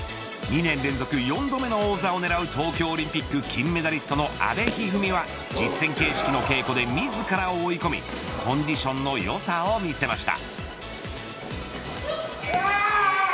２年連続４度目の王座を狙う東京オリンピック金メダリストの阿部一二三は実践形式の稽古で自らを追い込みコンディションのよさを見せました。